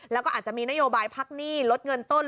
แล้วก็อาจจะมีนโยบายพักหนี้ลดเงินต้น